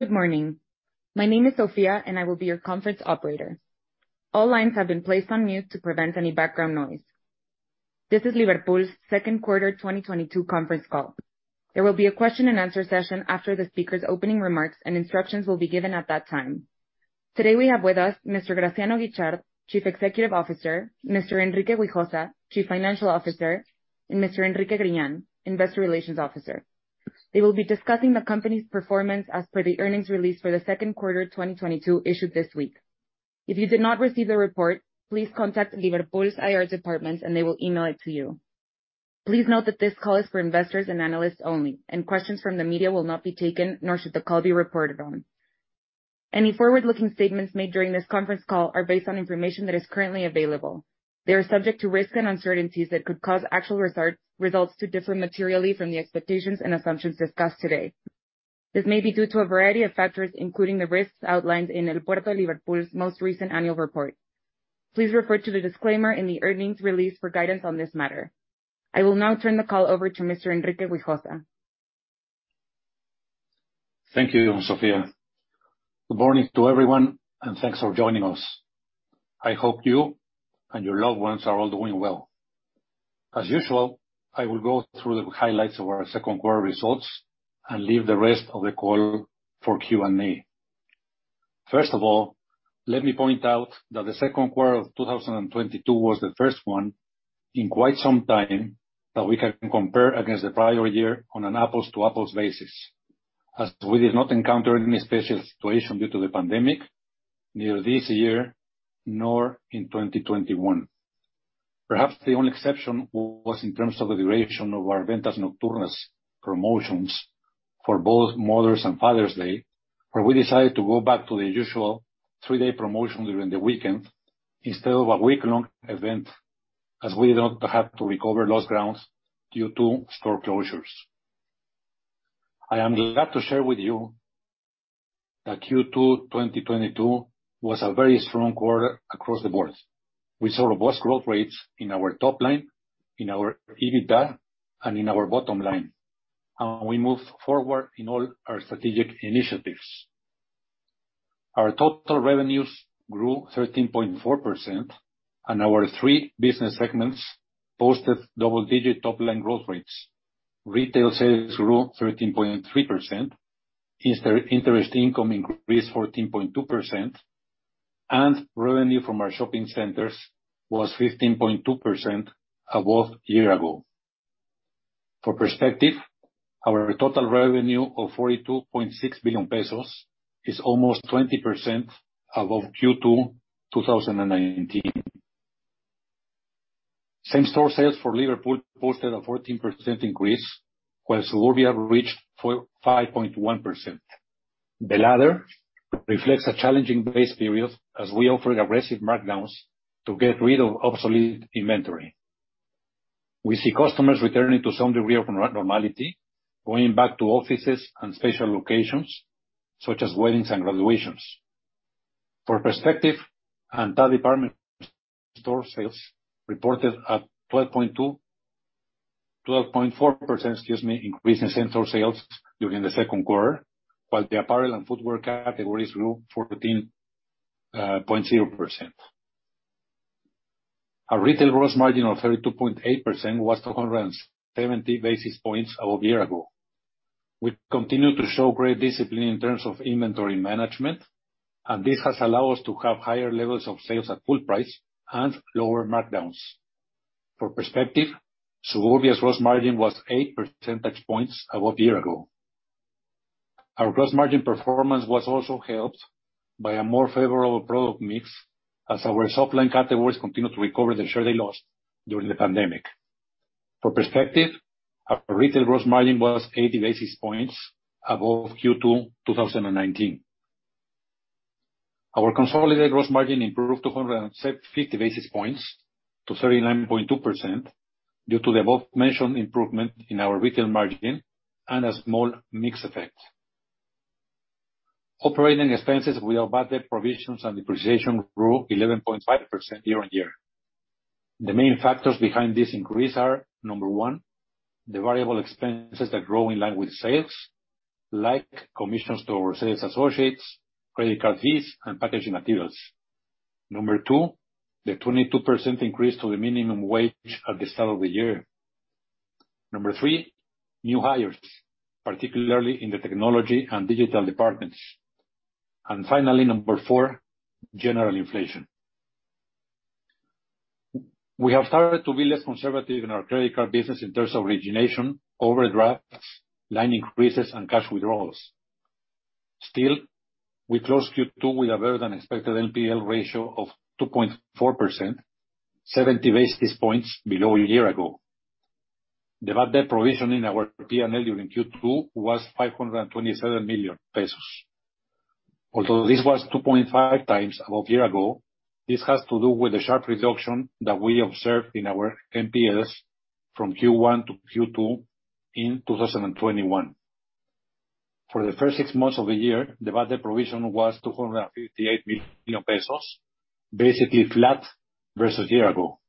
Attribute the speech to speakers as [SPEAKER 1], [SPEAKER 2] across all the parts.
[SPEAKER 1] Good morning. My name is Sophia and I will be your conference operator. All lines have been placed on mute to prevent any background noise. This is Liverpool's second quarter 2022 conference call. There will be a question and answer session after the speaker's opening remarks, and instructions will be given at that time. Today, we have with us Mr. Graciano Guichard, Chief Executive Officer, Mr. Enrique Güijosa, Chief Financial Officer, and Mr. Enrique Griñán, Investor Relations Officer. They will be discussing the company's performance as per the earnings release for the second quarter 2022 issued this week. If you did not receive the report, please contact Liverpool's IR department and they will email it to you. Please note that this call is for investors and analysts only, and questions from the media will not be taken, nor should the call be reported on. Any forward-looking statements made during this conference call are based on information that is currently available. They are subject to risks and uncertainties that could cause actual results to differ materially from the expectations and assumptions discussed today. This may be due to a variety of factors, including the risks outlined in El Puerto de Liverpool's most recent annual report. Please refer to the disclaimer in the earnings release for guidance on this matter. I will now turn the call over to Mr. Enrique Güijosa.
[SPEAKER 2] Thank you, Sophia. Good morning to everyone, and thanks for joining us. I hope you and your loved ones are all doing well. As usual, I will go through the highlights of our second quarter results and leave the rest of the call for Q&A. First of all, let me point out that the second quarter of 2022 was the first one in quite some time that we can compare against the prior year on an apples-to-apples basis, as we did not encounter any special situation due to the pandemic neither this year nor in 2021. Perhaps the only exception was in terms of the duration of our Ventas Nocturnas promotions for both Mother's Day and Father's Day, where we decided to go back to the usual three-day promotion during the weekend instead of a week-long event, as we don't have to recover lost grounds due to store closures. I am glad to share with you that Q2 2022 was a very strong quarter across the board. We saw robust growth rates in our top line, in our EBITDA, and in our bottom line, and we moved forward in all our strategic initiatives. Our total revenues grew 13.4%, and our three business segments posted double-digit top line growth rates. Retail sales grew 13.3%. Interest income increased 14.2%, and revenue from our shopping centers was 15.2% above year ago. For perspective, our total revenue of 42.6 billion pesos is almost 20% above Q2 2019. Same-store sales for Liverpool posted a 14% increase, while Suburbia reached 5.1%. The latter reflects a challenging base period as we offered aggressive markdowns to get rid of obsolete inventory. We see customers returning to some degree of normality, going back to offices and special locations such as weddings and graduations. For perspective, entire department store sales reported a 12.4%, excuse me, increase in store sales during the second quarter, while the apparel and footwear categories grew 14.0%. Our retail gross margin of 32.8% was 270 basis points over a year ago. We continue to show great discipline in terms of inventory management, and this has allowed us to have higher levels of sales at full price and lower markdowns. For perspective, Suburbia's gross margin was 8 percentage points above a year ago. Our gross margin performance was also helped by a more favorable product mix as our softline categories continue to recover the share they lost during the pandemic. For perspective, our retail gross margin was 80 basis points above Q2 2019. Our consolidated gross margin improved 250 basis points to 39.2% due to the above-mentioned improvement in our retail margin and a small mix effect. Operating expenses without bad debt provisions and depreciation grew 11.5% year-on-year. The main factors behind this increase are, number one, the variable expenses that grow in line with sales, like commissions to our sales associates, credit card fees, and packaging materials. Number two, the 22% increase to the minimum wage at the start of the year. Number three, new hires, particularly in the technology and digital departments. Finally, number four, general inflation. We have started to be less conservative in our credit card business in terms of origination, overdrafts, line increases, and cash withdrawals. Still, we closed Q2 with a better-than-expected NPL ratio of 2.4%, 70 basis points below a year ago. The bad debt provision in our P&L during Q2 was 527 million pesos. Although this was 2.5x above a year ago, this has to do with the sharp reduction that we observed in our NPLs from Q1 to Q2 in 2021. For the first six months of the year, the bad debt provision was 258 million pesos, basically flat versus a year ago.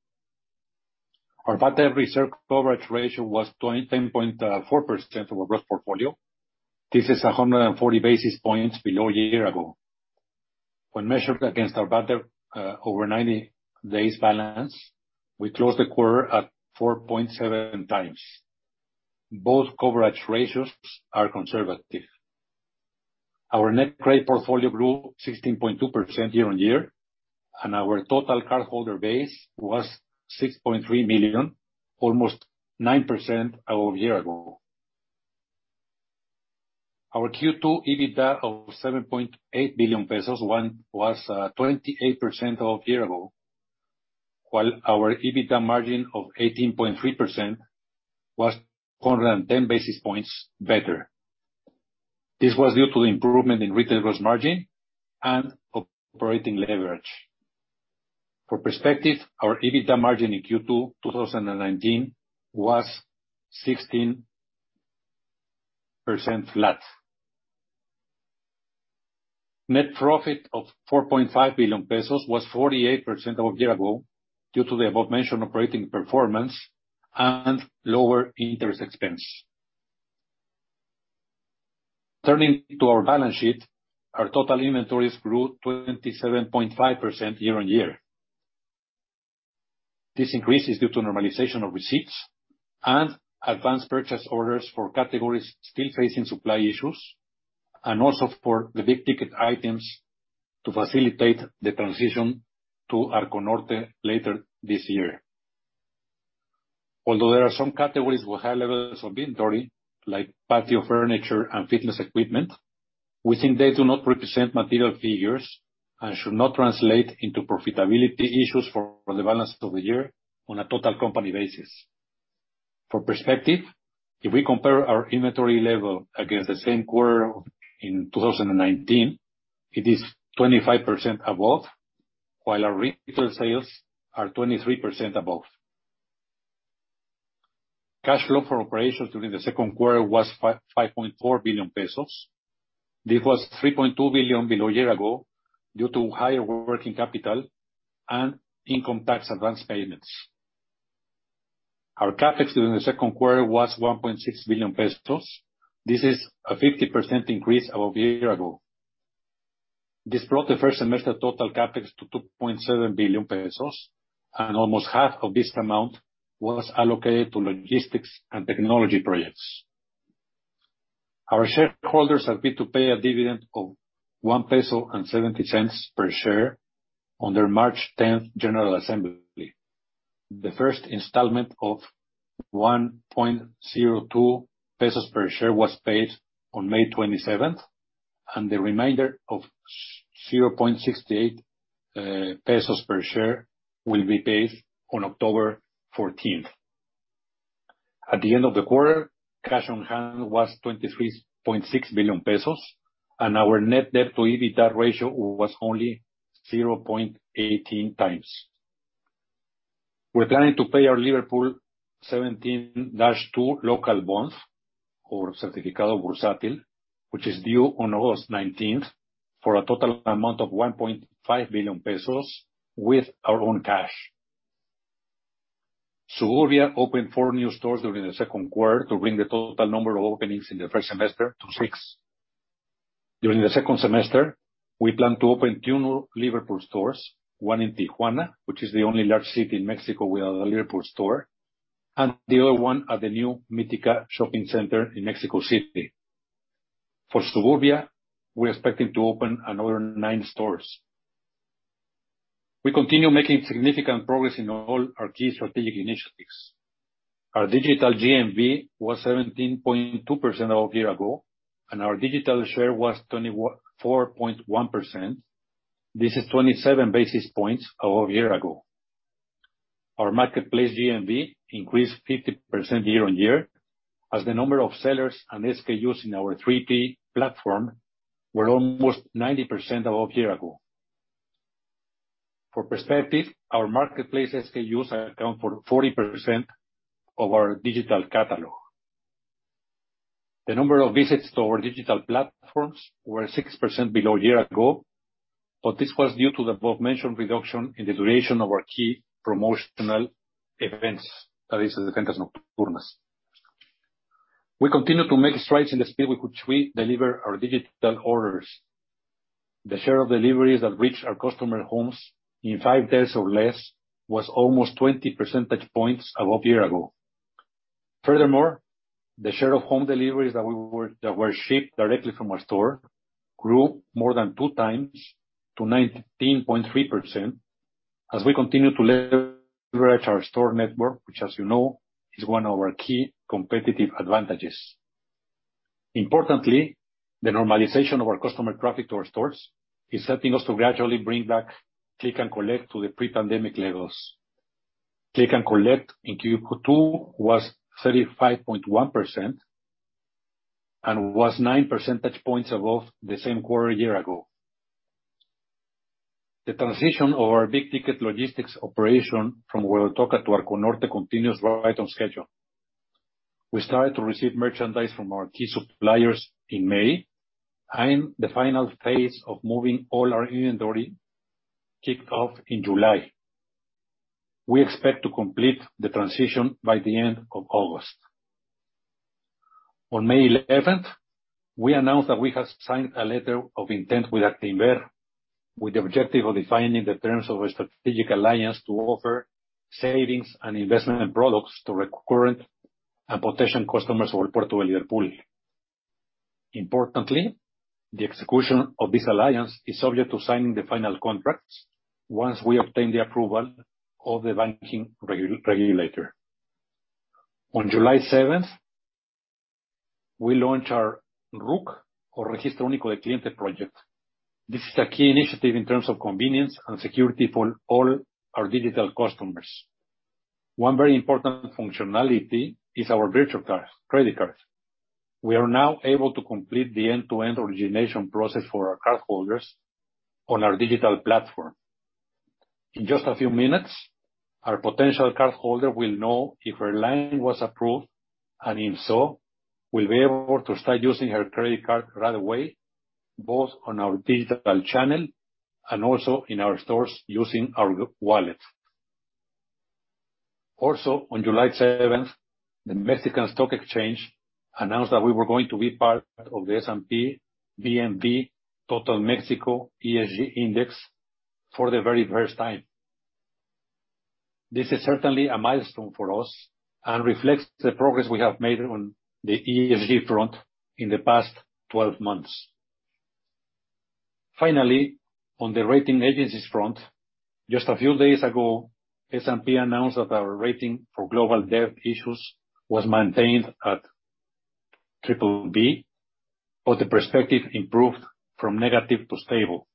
[SPEAKER 2] Our bad debt reserve coverage ratio was 20.4% of our gross portfolio. This is 140 basis points below a year ago. When measured against our bad debt over 90 days balance, we closed the quarter at 4.7x. Both coverage ratios are conservative. Our net credit portfolio grew 16.2% year-on-year, and our total cardholder base was 6.3 million, almost 9% over a year ago. Our Q2 EBITDA of 7.8 billion pesos was 28% over year ago, while our EBITDA margin of 18.3% was 110 basis points better. This was due to the improvement in gross margin and operating leverage. For perspective, our EBITDA margin in Q2 2019 was 16% flat. Net profit of 4.5 billion pesos was 48% over a year ago due to the above-mentioned operating performance and lower interest expense. Turning to our balance sheet, our total inventories grew 27.5% year-on-year. This increase is due to normalization of receipts and advanced purchase orders for categories still facing supply issues, and also for the big ticket items to facilitate the transition to Arco Norte later this year. Although there are some categories with high levels of inventory, like patio furniture and fitness equipment, we think they do not represent material figures and should not translate into profitability issues for the balance of the year on a total company basis. For perspective, if we compare our inventory level against the same quarter in 2019, it is 25% above, while our retail sales are 23% above. Cash flow for operations during the second quarter was 5.4 billion pesos. This was 3.2 billion below a year ago due to higher working capital and income tax advance payments. Our CapEx during the second quarter was 1.6 billion pesos. This is a 50% increase over a year ago. This brought the first semester total CapEx to 2.7 billion pesos, and almost half of this amount was allocated to logistics and technology projects. Our shareholders agreed to pay a dividend of 1.70 peso per share on their March 10 general assembly. The first installment of 1.02 pesos per share was paid on May 27, and the remainder of 0.68 pesos per share will be paid on October 14. At the end of the quarter, cash on hand was 23.6 billion pesos, and our net debt to EBITDA ratio was only 0.18x. We're planning to pay our Liverpool 17-2 local bonds or Certificado Bursátil, which is due on August 19, for a total amount of 1.5 billion pesos with our own cash. Suburbia opened four new stores during the second quarter to bring the total number of openings in the first semester to six. During the second semester, we plan to open two new Liverpool stores, one in Tijuana, which is the only large city in Mexico without a Liverpool store, and the other one at the new Mítika Shopping Center in Mexico City. For Suburbia, we're expecting to open another nine stores. We continue making significant progress in all our key strategic initiatives. Our digital GMV was 17.2% over a year ago, and our digital share was 24.1%. This is 27 basis points over a year ago. Our marketplace GMV increased 50% year-on-year as the number of sellers and SKUs in our 3P platform were almost 90% above a year ago. For perspective, our marketplace SKUs account for 40% of our digital catalog. The number of visits to our digital platforms were 6% below a year ago, but this was due to the above mentioned reduction in the duration of our key promotional events, that is, the Quintana Roo business. We continue to make strides in the speed with which we deliver our digital orders. The share of deliveries that reach our customer homes in five days or less was almost 20 percentage points above a year ago. Furthermore, the share of home deliveries that were shipped directly from our store grew more than 2x to 19.3% as we continue to leverage our store network, which as you know is one of our key competitive advantages. Importantly, the normalization of our customer traffic to our stores is helping us to gradually bring back click and collect to the pre-pandemic levels. Click and collect in Q2 was 35.1% and was 9 percentage points above the same quarter a year ago. The transition of our big ticket logistics operation from Rojo Toca to Arco Norte continues right on schedule. We started to receive merchandise from our key suppliers in May, and the final phase of moving all our inventory kicked off in July. We expect to complete the transition by the end of August. On May eleventh, we announced that we have signed a letter of intent with Actinver, with the objective of defining the terms of a strategic alliance to offer savings and investment in products to recurrent and potential customers of our portfolio pool. Importantly, the execution of this alliance is subject to signing the final contracts once we obtain the approval of the banking regulator. On July seventh, we launched our RUC or Registro Único de Cliente project. This is a key initiative in terms of convenience and security for all our digital customers. One very important functionality is our virtual cards, credit cards. We are now able to complete the end-to-end origination process for our cardholders on our digital platform. In just a few minutes, our potential cardholder will know if her line was approved, and if so, will be able to start using her credit card right away, both on our digital channel and also in our stores using our wallet. Also, on July seventh, the Mexican Stock Exchange announced that we were going to be part of the S&P/BMV Total Mexico ESG Index for the very first time. This is certainly a milestone for us and reflects the progress we have made on the ESG front in the past 12 months. Finally, on the rating agencies front, just a few days ago, S&P announced that our rating for global debt issues was maintained at BBB, but the perspective improved from negative to stable.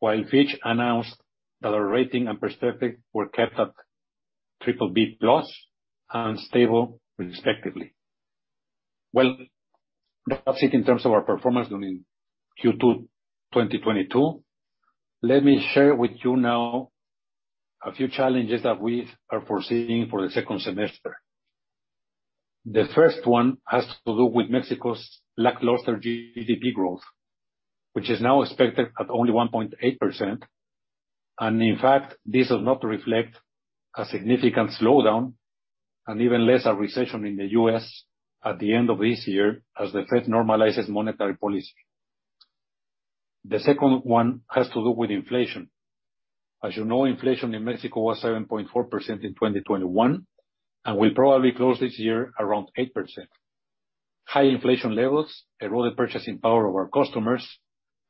[SPEAKER 2] While Fitch announced that our rating and perspective were kept at BBB+ and stable respectively. Well, that's it in terms of our performance during Q2 2022. Let me share with you now a few challenges that we are foreseeing for the second semester. The first one has to do with Mexico's lackluster GDP growth, which is now expected at only 1.8%. In fact, this will not reflect a significant slowdown and even less a recession in the U.S. at the end of this year as the Fed normalizes monetary policy. The second one has to do with inflation. As you know, inflation in Mexico was 7.4% in 2021 and will probably close this year around 8%. High inflation levels erode the purchasing power of our customers,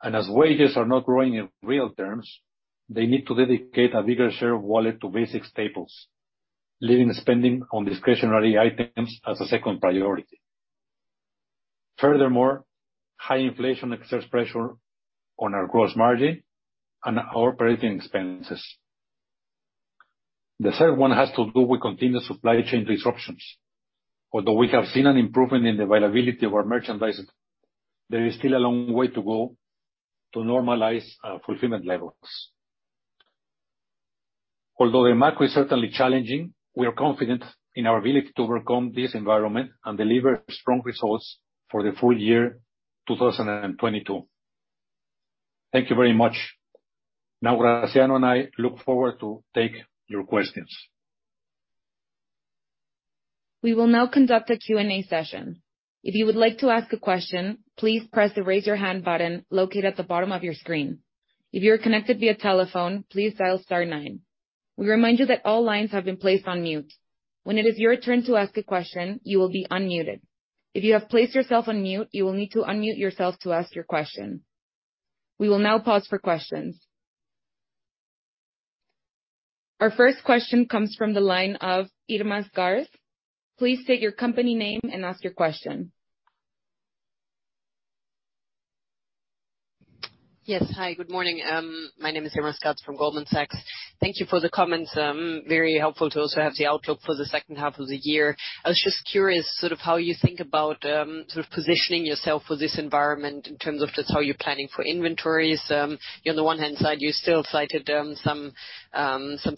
[SPEAKER 2] and as wages are not growing in real terms, they need to dedicate a bigger share of wallet to basic staples, leaving spending on discretionary items as a second priority. Furthermore, high inflation exerts pressure on our gross margin and our operating expenses. The third one has to do with continued supply chain disruptions. Although we have seen an improvement in the availability of our merchandise, there is still a long way to go to normalize fulfillment levels. Although the market is certainly challenging, we are confident in our ability to overcome this environment and deliver strong results for the full year 2022. Thank you very much. Now, Graciano and I look forward to take your questions.
[SPEAKER 1] We will now conduct a Q&A session. If you would like to ask a question, please press the Raise Your Hand button located at the bottom of your screen. If you are connected via telephone, please dial star nine. We remind you that all lines have been placed on mute. When it is your turn to ask a question, you will be unmuted. If you have placed yourself on mute, you will need to unmute yourself to ask your question. We will now pause for questions. Our first question comes from the line of Irma Sgarz. Please state your company name and ask your question.
[SPEAKER 3] Yes. Hi, good morning. My name is Irma Sgarz from Goldman Sachs. Thank you for the comments. Very helpful to also have the outlook for the second half of the year. I was just curious sort of how you think about, sort of positioning yourself for this environment in terms of just how you're planning for inventories. On the one hand side, you still cited some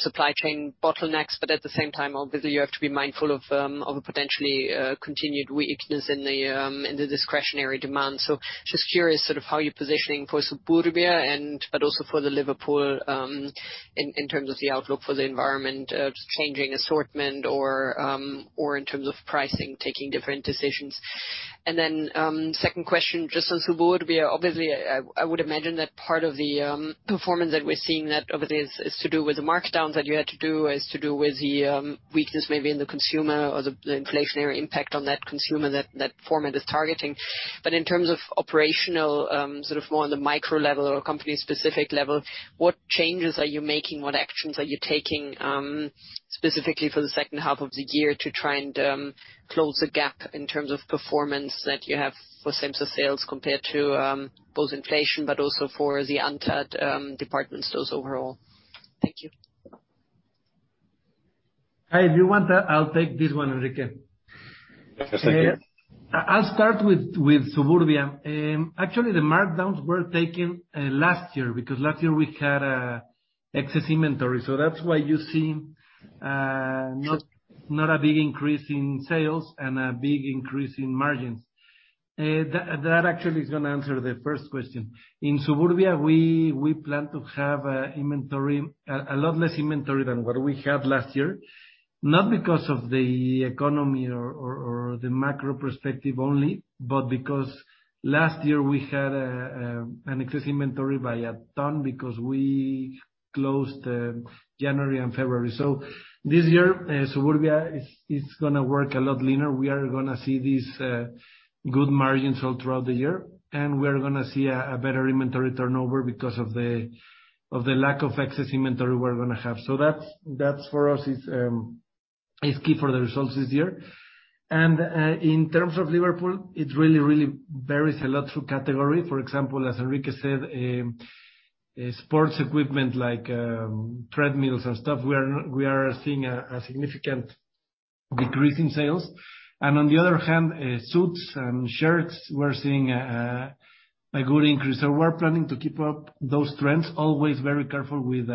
[SPEAKER 3] supply chain bottlenecks, but at the same time, obviously, you have to be mindful of a potentially continued weakness in the discretionary demand. Just curious sort of how you're positioning for Suburbia, but also for the Liverpool, in terms of the outlook for the environment, changing assortment or in terms of pricing, taking different decisions. Second question, just on Suburbia, obviously, I would imagine that part of the performance that we're seeing over this is to do with the markdowns that you had to do and the weakness maybe in the consumer or the inflationary impact on that consumer that format is targeting. But in terms of operational sort of more on the micro level or company specific level, what changes are you making? What actions are you taking specifically for the second half of the year to try and close the gap in terms of performance that you have for same store sales compared to both inflation, but also the Liverpool department stores overall? Thank you.
[SPEAKER 4] If you want that, I'll take this one, Enrique.
[SPEAKER 5] Yes, thank you.
[SPEAKER 4] I'll start with Suburbia. Actually, the markdowns were taken last year, because last year we had. Excess inventory. That's why you see not a big increase in sales and a big increase in margins. That actually is gonna answer the first question. In Suburbia, we plan to have inventory, a lot less inventory than what we had last year, not because of the economy or the macro perspective only, but because last year we had an excess inventory by a ton because we closed January and February. This year, Suburbia is gonna work a lot leaner. We are gonna see these good margins all throughout the year, and we are gonna see a better inventory turnover because of the lack of excess inventory we're gonna have. That's for us is key for the results this year. In terms of Liverpool, it really varies a lot through category. For example, as Enrique said, sports equipment like treadmills and stuff, we are seeing a significant decrease in sales. On the other hand, suits and shirts, we're seeing a good increase. We're planning to keep up those trends, always very careful with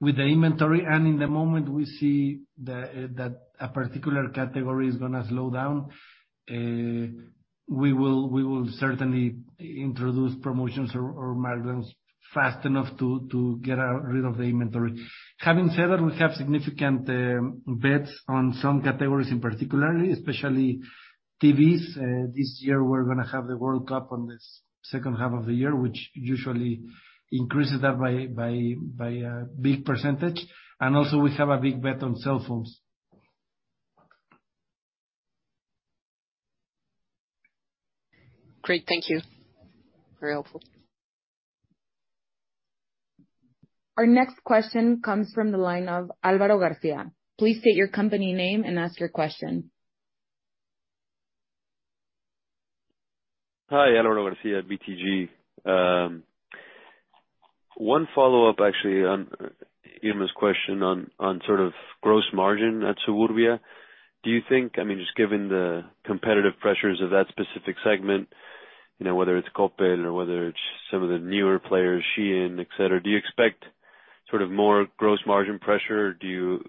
[SPEAKER 4] the inventory. In the moment we see that a particular category is gonna slow down, we will certainly introduce promotions or margins fast enough to get rid of the inventory. Having said that, we have significant bets on some categories in particular, especially TVs. This year, we're gonna have the World Cup on the second half of the year, which usually increases that by a big percentage. We have a big bet on cell phones.
[SPEAKER 3] Great. Thank you. Very helpful.
[SPEAKER 1] Our next question comes from the line of Alvaro Garcia. Please state your company name and ask your question.
[SPEAKER 6] Hi. Álvaro García, BTG. One follow-up actually on Irma's question on sort of gross margin at Suburbia. Do you think, I mean, just given the competitive pressures of that specific segment, you know, whether it's Coppel or whether it's some of the newer players, SHEIN, et cetera, do you expect sort of more gross margin pressure? Do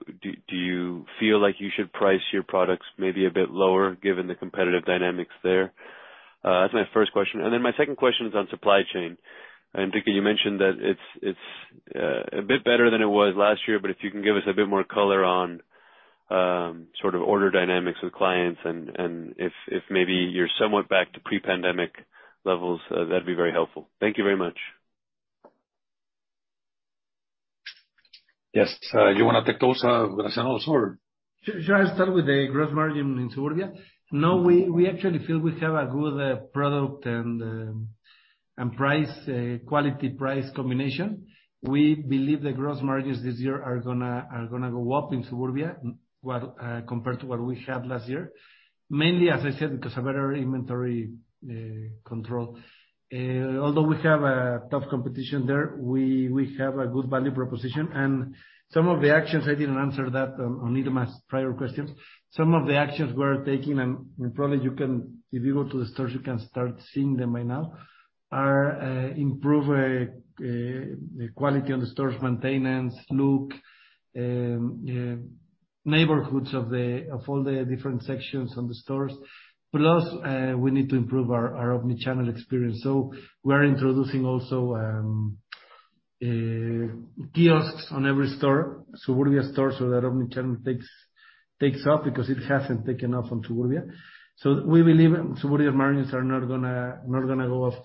[SPEAKER 6] you feel like you should price your products maybe a bit lower given the competitive dynamics there? That's my first question. My second question is on supply chain. Enrique, you mentioned that it's a bit better than it was last year, but if you can give us a bit more color on sort of order dynamics with clients and if maybe you're somewhat back to pre-pandemic levels, that'd be very helpful. Thank you very much.
[SPEAKER 2] Yes. You wanna take those, Graciano or?
[SPEAKER 4] Shall I start with the gross margin in Suburbia? Now, we actually feel we have a good product and price quality-price combination. We believe the gross margins this year are gonna go up in Suburbia well compared to what we had last year, mainly, as I said, because of better inventory control. Although we have a tough competition there, we have a good value proposition and some of the actions, I didn't answer that on Irma's prior questions. Some of the actions we're taking, and probably you can if you go to the stores, you can start seeing them by now, are improve quality on the stores' maintenance, look, neighborhoods of all the different sections on the stores. Plus, we need to improve our omni-channel experience. We're introducing also kiosks in every Suburbia store so that omni-channel takes off because it hasn't taken off on Suburbia. We believe Suburbia margins are not gonna go up.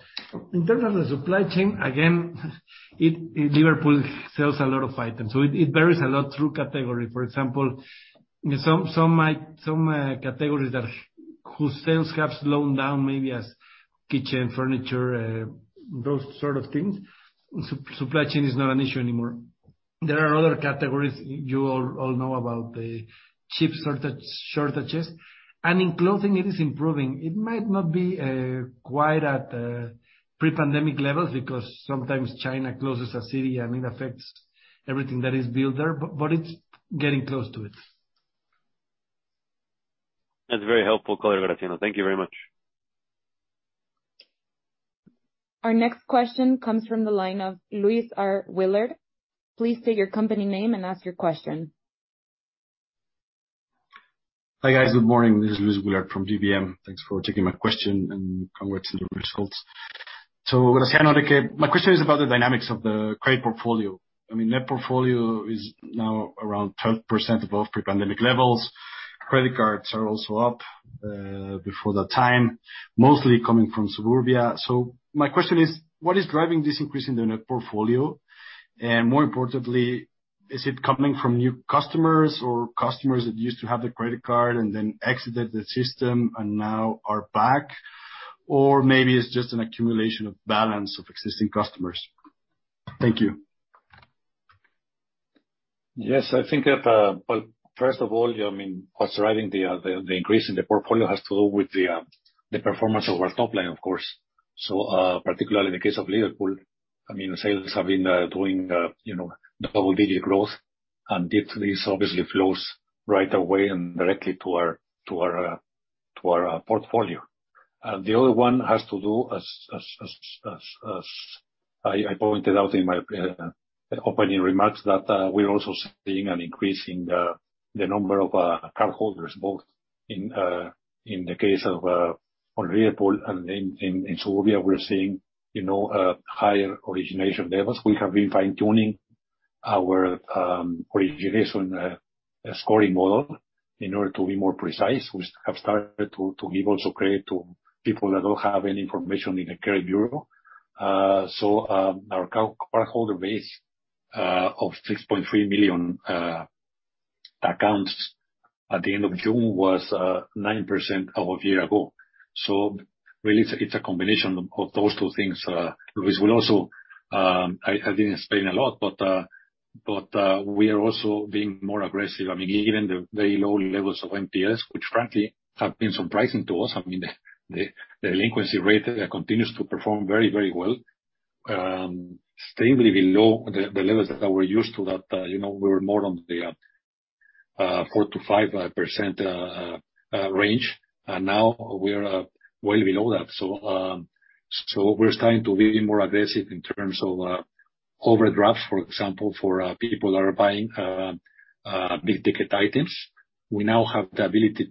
[SPEAKER 4] In terms of the supply chain, again, Liverpool sells a lot of items, so it varies a lot by category. For example, some categories whose sales have slowed down such as kitchen, furniture, those sort of things, supply chain is not an issue anymore. There are other categories, you all know about the chip shortages, and in clothing it is improving. It might not be quite at the pre-pandemic levels because sometimes China closes a city and it affects everything that is built there, but it's getting close to it.
[SPEAKER 6] That's very helpful, Graciano Guichard. Thank you very much.
[SPEAKER 1] Our next question comes from the line of Luis R. Willard. Please state your company name and ask your question.
[SPEAKER 7] Hi, guys. Good morning. This is Luis Willard from GBM. Thanks for taking my question and congrats on the results. Graciano and Enrique, my question is about the dynamics of the credit portfolio. I mean, net portfolio is now around 12% above pre-pandemic levels. Credit cards are also up before that time, mostly coming from Suburbia. My question is, what is driving this increase in the net portfolio? And more importantly, is it coming from new customers or customers that used to have the credit card and then exited the system and now are back? Or maybe it's just an accumulation of balance of existing customers. Thank you.
[SPEAKER 2] Yes. I think, well, first of all, I mean, what's driving the increase in the portfolio has to do with the performance of our top line, of course. Particularly in the case of Liverpool, I mean, sales have been doing, you know, double-digit growth, and this obviously flows right away and directly to our balance sheet. To our portfolio. The other one has to do as I pointed out in my opening remarks that we're also seeing an increase in the number of cardholders, both in the case of Liverpool and in Suburbia, we're seeing, you know, higher origination levels. We have been fine-tuning our origination scoring model in order to be more precise. We have started to give also credit to people that don't have any information in the credit bureau. Our cardholder base of 6.3 million accounts at the end of June was 9% of a year ago. Really it's a combination of those two things. Luis will also I think it's been a lot, but we are also being more aggressive. I mean, even the very low levels of NPLs, which frankly have been surprising to us. I mean, the delinquency rate continues to perform very well, stably below the levels that we're used to, you know, we were more in the 4%-5% range. Now we're well below that. We're starting to be more aggressive in terms of overdrafts, for example, for people that are buying big ticket items. We now have the ability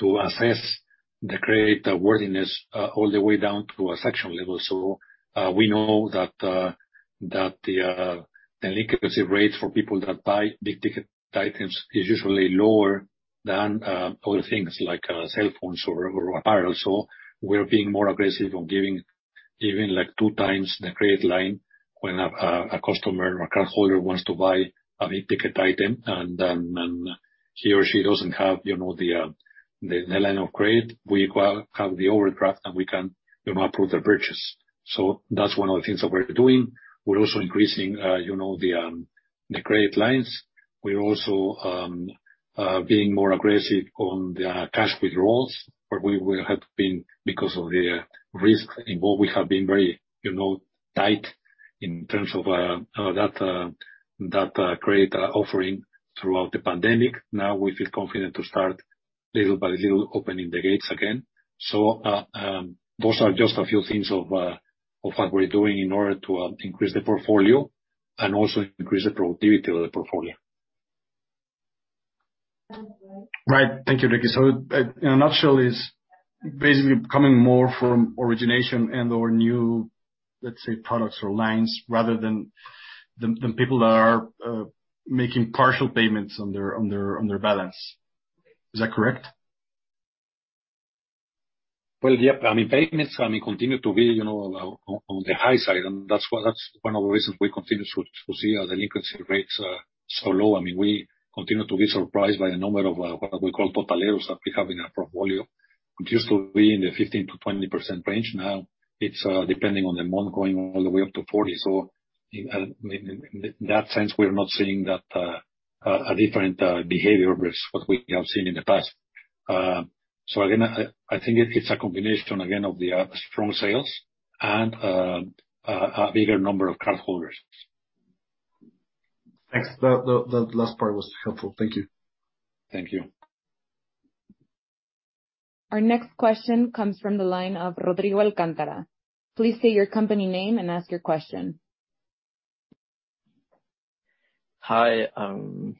[SPEAKER 2] to assess the creditworthiness all the way down to the transaction level. We know that the delinquency rates for people that buy big ticket items is usually lower than other things like cell phones or apparel. We're being more aggressive on giving, like, 2x the credit line when a customer or cardholder wants to buy a big ticket item and he or she doesn't have, you know, the line of credit. We give the overdraft and we can, you know, approve the purchase. That's one of the things that we're doing. We're also increasing you know the credit lines. We're also being more aggressive on the cash withdrawals, where we will have to be because of the risk involved. We have been very, you know, tight in terms of that credit offering throughout the pandemic. Now we feel confident to start little by little, opening the gates again. Those are just a few things of what we're doing in order to increase the portfolio and also increase the productivity of the portfolio.
[SPEAKER 7] Right. Thank you, Enrique. In a nutshell, it's basically coming more from origination and/or new, let's say, products or lines rather than people that are making partial payments on their balance. Is that correct?
[SPEAKER 2] Well, yeah, I mean, payments continue to be, you know, on the high side, and that's why that's one of the reasons we continue to see our delinquency rates so low. I mean, we continue to be surprised by the number of what we call totaleros that we have in our portfolio. It used to be in the 15%-20% range. Now it's, depending on the month, going all the way up to 40%. In that sense, we're not seeing a different behavior versus what we have seen in the past. Again, I think it's a combination again of the strong sales and a bigger number of cardholders.
[SPEAKER 7] Thanks. That last part was helpful. Thank you.
[SPEAKER 2] Thank you.
[SPEAKER 1] Our next question comes from the line of Rodrigo Alcántara. Please state your company name and ask your question.
[SPEAKER 8] Hi.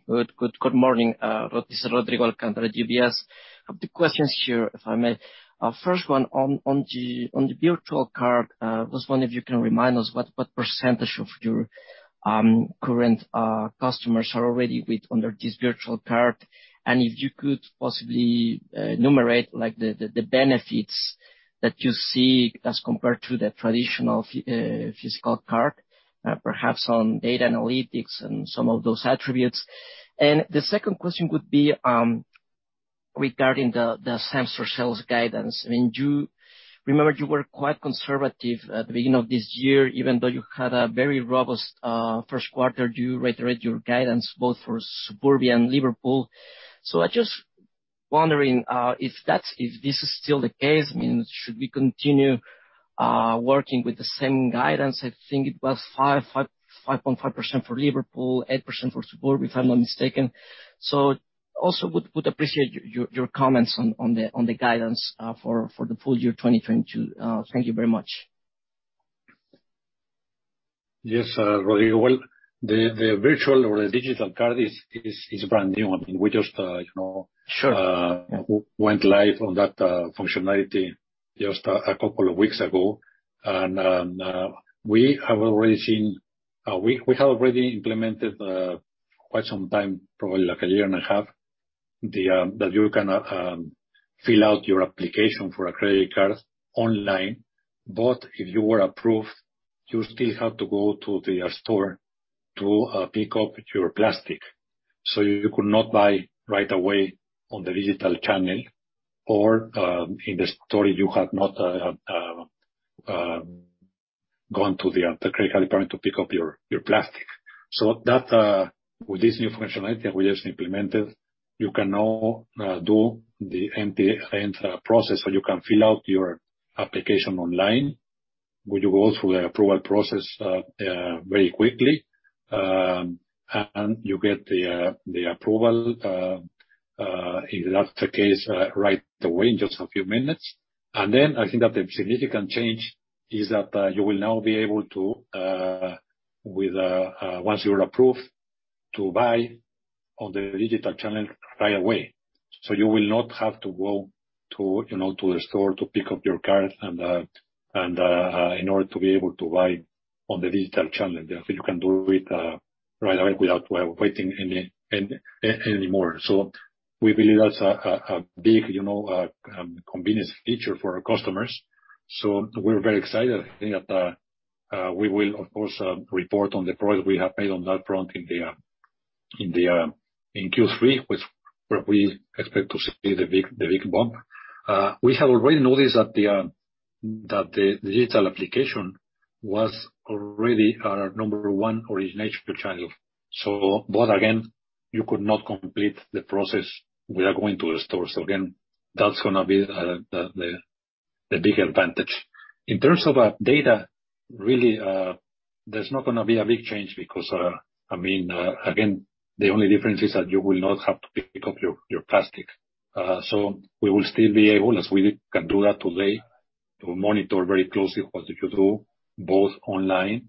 [SPEAKER 8] Good morning. This is Rodrigo Alcántara, UBS. I have two questions here, if I may. First one on the virtual card, was wondering if you can remind us what percentage of your current customers are already with under this virtual card, and if you could possibly enumerate, like, the benefits that you see as compared to the traditional physical card, perhaps on data analytics and some of those attributes. The second question would be regarding the same store sales guidance. I mean, you remember you were quite conservative at the beginning of this year, even though you had a very robust first quarter, you reiterated your guidance both for Suburbia and Liverpool. I just wondering if that's. If this is still the case, I mean, should we continue working with the same guidance? I think it was 5.5% for Liverpool, 8% for Suburbia, if I'm not mistaken. Also would appreciate your comments on the guidance for the full year 2022. Thank you very much.
[SPEAKER 2] Yes, Rodrigo. Well, the virtual or the digital card is brand new. I mean, we just, you know.
[SPEAKER 8] Sure.
[SPEAKER 2] Went live on that functionality just a couple of weeks ago. We have already implemented for quite some time, probably like a year and a half, that you can fill out your application for a credit card online. If you were approved, you still have to go to the store to pick up your plastic. You could not buy right away on the digital channel or in the store if you have not gone to the credit card point to pick up your plastic. With this new functionality that we just implemented, you can now do the entire process, or you can fill out your application online. When you go through the approval process very quickly and you get the approval, if that's the case, right away in just a few minutes. I think that the significant change is that you will now be able to, once you're approved, to buy on the digital channel right away. You will not have to go to, you know, the store to pick up your card and in order to be able to buy on the digital channel. You can do it right away without waiting anymore. We believe that's a big, you know, convenience feature for our customers. We're very excited. I think that we will of course report on the progress we have made on that front in Q3, where we expect to see the big bump. We have already noticed that the digital application was already our number one original channel. Again, you could not complete the process without going to the store. Again, that's gonna be the big advantage. In terms of data, really, there's not gonna be a big change because, I mean, again, the only difference is that you will not have to pick up your plastic. We will still be able, as we can do that today, to monitor very closely what you do, both online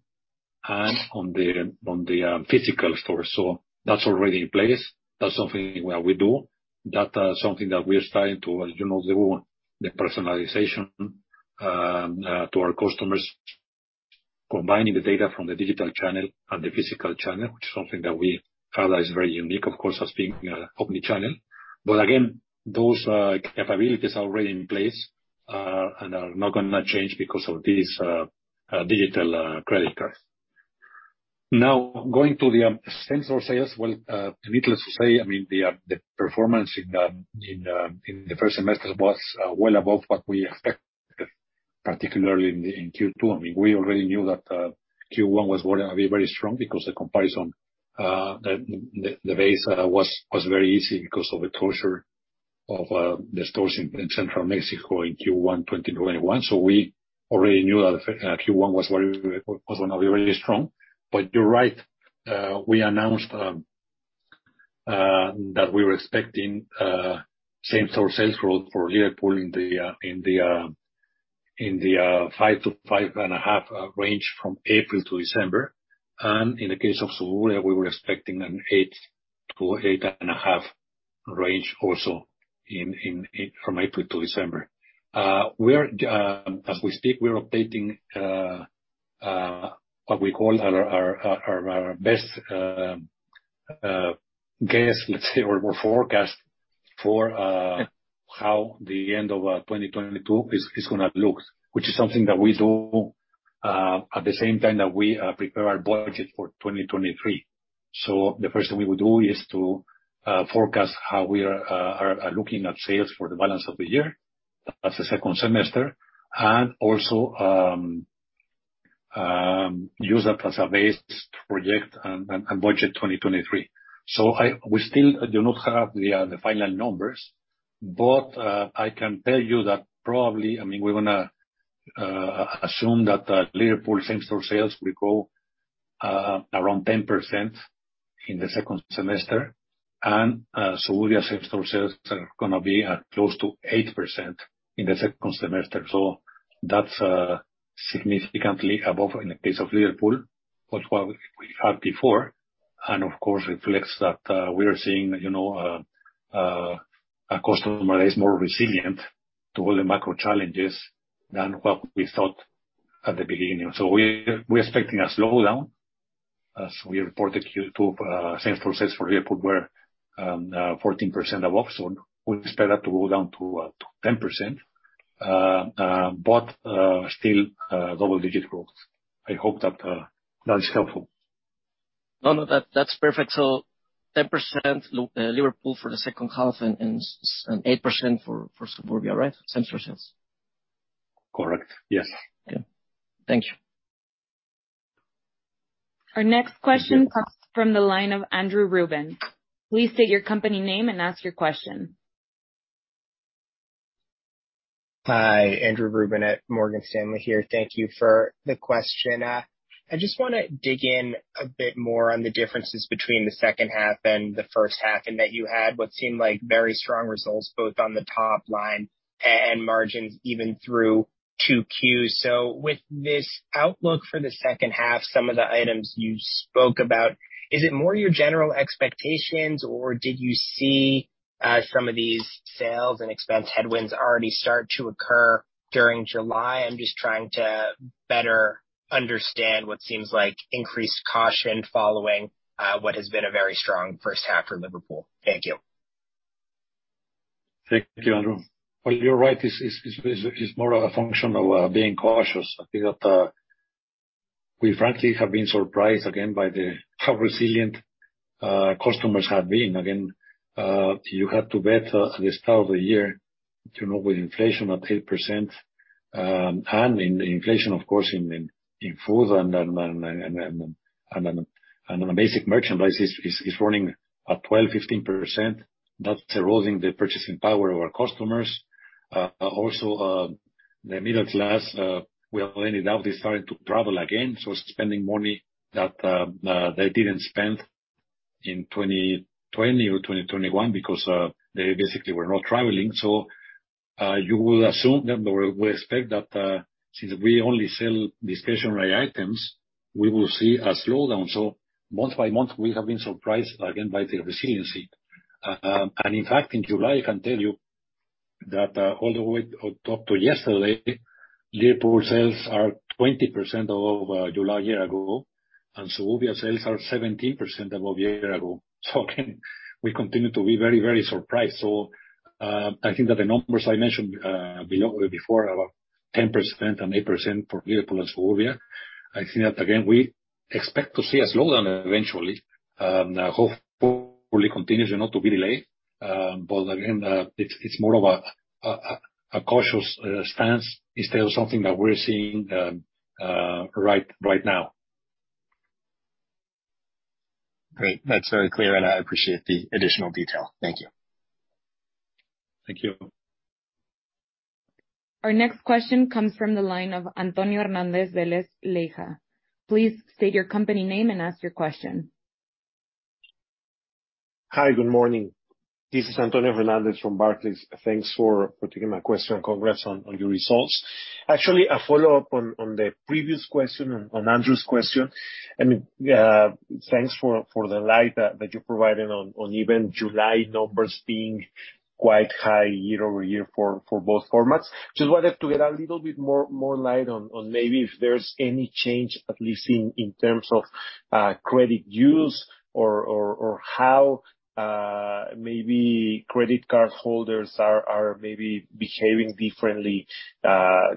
[SPEAKER 2] and on the physical store. That's already in place. That's something that we do. That is something that we are starting to, you know, do the personalization to our customers, combining the data from the digital channel and the physical channel, which is something that we feel is very unique, of course, as being omni-channel. Again, those capabilities are already in place and are not gonna change because of this digital credit card. Now, going to the same-store sales. Well, needless to say, I mean, the performance in the first semester was well above what we expected, particularly in Q2. I mean, we already knew that Q1 was gonna be very strong because the comparison, the base was very easy because of the closure of the stores in central Mexico in Q1 2021. We already knew that Q1 was gonna be very strong. You're right, we announced that we were expecting same-store-sales growth for Liverpool in the 5%-5.5% range from April to December. In the case of Suburbia, we were expecting an 8%-8.5% range also from April to December. We are, as we speak, we are updating what we call our best guess, let's say, or forecast for how the end of 2022 is gonna look, which is something that we do at the same time that we prepare our budget for 2023. The first thing we would do is to forecast how we are looking at sales for the balance of the year as the second semester and also use that as a base to project and budget 2023. We still do not have the final numbers, but I can tell you that probably, I mean, we're gonna assume that Liverpool same-store sales will grow around 10% in the second semester, and Suburbia same-store sales are gonna be at close to 8% in the second semester. That's significantly above in the case of Liverpool, but what we had before, and of course reflects that we are seeing, you know, a customer that is more resilient to all the macro challenges than what we thought at the beginning. We're expecting a slowdown as we reported Q2 same-store sales for Liverpool were 14% up, so we expect that to go down to 10%, but still double-digit growth. I hope that is helpful.
[SPEAKER 8] No, no. That, that's perfect. 10% Liverpool for the second half and 8% for Suburbia, right? Same-store sales.
[SPEAKER 2] Correct. Yes.
[SPEAKER 8] Yeah. Thank you.
[SPEAKER 1] Our next question comes from the line of Andrew Ruben. Please state your company name and ask your question.
[SPEAKER 9] Hi, Andrew Ruben at Morgan Stanley here. Thank you for the question. I just wanna dig in a bit more on the differences between the second half and the first half, in that you had what seemed like very strong results, both on the top line and margins, even through two Qs. With this outlook for the second half, some of the items you spoke about, is it more your general expectations, or did you see some of these sales and expense headwinds already start to occur during July? I'm just trying to better understand what seems like increased caution following what has been a very strong first half for Liverpool. Thank you.
[SPEAKER 2] Thank you, Andrew. Well, you're right. This is more of a function of being cautious. I think that we frankly have been surprised again by how resilient customers have been. Again, you have to bet at the start of the year, you know, with inflation at 8%, and inflation of course in food and basic merchandise is running at 12%-15%. That's eroding the purchasing power of our customers. Also, the middle class, well, they're now starting to travel again, so spending money that they didn't spend in 2020 or 2021 because they basically were not traveling. You will assume that or we expect that, since we only sell discretionary items, we will see a slowdown. Month by month, we have been surprised again by the resiliency. In fact, in July, I can tell you that all the way up to yesterday, Liverpool sales are 20% above July a year ago, and Suburbia sales are 17% above a year ago. We continue to be very, very surprised. I think that the numbers I mentioned before about 10% and 8% for Liverpool and Suburbia, I think that again, we expect to see a slowdown eventually. Hopefully continues, you know, to be delayed. But again, it's more of a cautious stance instead of something that we're seeing right now.
[SPEAKER 9] Great. That's very clear, and I appreciate the additional detail. Thank you.
[SPEAKER 2] Thank you.
[SPEAKER 1] Our next question comes from the line of Antonio Hernández Vélez-Leija. Please state your company name and ask your question.
[SPEAKER 10] Hi, good morning. This is Antonio Hernandez from Barclays. Thanks for taking my question. Congrats on your results. Actually, a follow-up on the previous question, on Andrew's question. I mean, thanks for the light that you're providing on even July numbers being quite high year over year for both formats. Just wanted to get a little bit more light on maybe if there's any change, at least in terms of credit use or how maybe credit card holders are maybe behaving differently,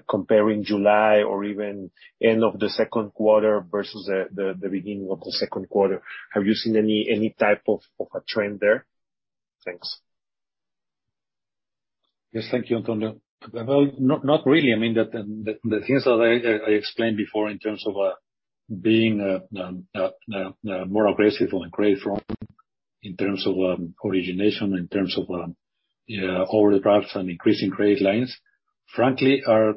[SPEAKER 10] comparing July or even end of the second quarter versus the beginning of the second quarter. Have you seen any type of a trend there? Thanks.
[SPEAKER 2] Yes, thank you, Antonio. Well, not really. I mean, the things that I explained before in terms of being more aggressive on the credit front in terms of origination, in terms of overdrafts and increasing credit lines, frankly are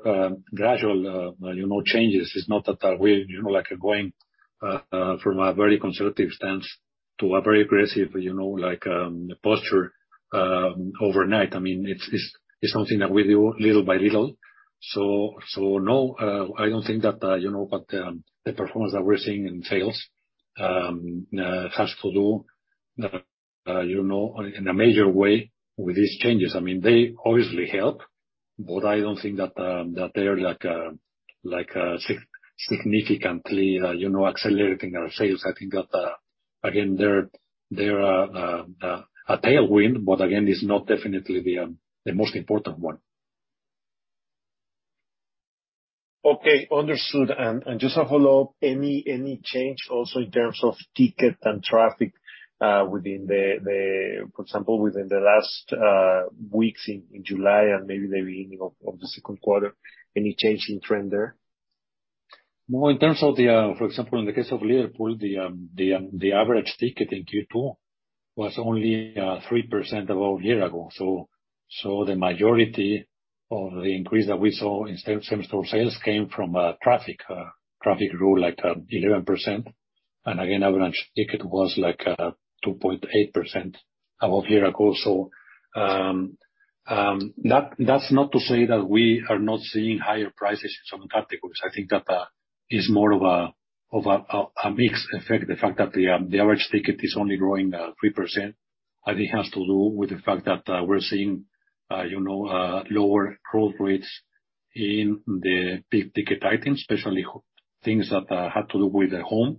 [SPEAKER 2] gradual, you know, changes. It's not that we're, you know, like going from a very conservative stance to a very aggressive, you know, like, posture overnight. I mean, it's something that we do little by little. No, I don't think that, you know, but the performance that we're seeing in sales has to do, you know, in a major way with these changes. I mean, they obviously help, but I don't think that they're like significantly, you know, accelerating our sales. I think that, again, they're a tailwind, but again, it's not definitely the most important one.
[SPEAKER 10] Okay, understood. Just a follow-up. Any change also in terms of ticket and traffic, for example, within the last weeks in July and maybe the beginning of the second quarter? Any change in trend there?
[SPEAKER 2] Well, in terms of, for example, in the case of Liverpool, the average ticket in Q2 was only 3% above a year ago. The majority of the increase that we saw in same store sales came from traffic. Traffic grew like 11%. And again, average ticket was like 2.8% above a year ago. That's not to say that we are not seeing higher prices in some categories. I think that is more of a mixed effect. The fact that the average ticket is only growing 3%, I think has to do with the fact that we're seeing you know lower growth rates in the big ticket items, especially things that had to do with the home,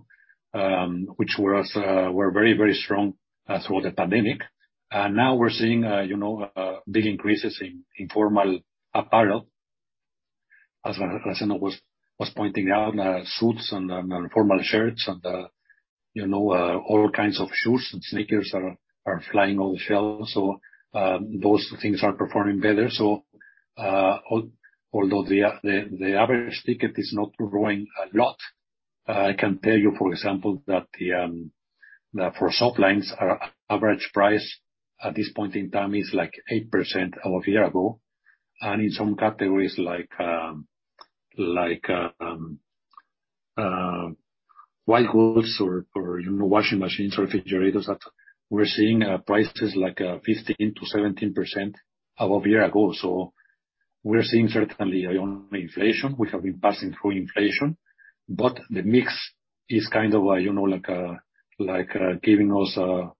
[SPEAKER 2] which were very, very strong through the pandemic. Now we're seeing you know big increases in formal apparel, as I know was pointing out. Suits and formal shirts and you know all kinds of shoes and sneakers are flying off the shelves. So those things are performing better. Although the average ticket is not growing a lot, I can tell you, for example, that for soft lines, our average price at this point in time is like 8% above a year ago. In some categories like white goods or, you know, washing machines, refrigerators, that we're seeing prices like 15%-17% above a year ago. We're certainly seeing inflation. We have been passing through inflation. The mix is kind of, you know, like giving us a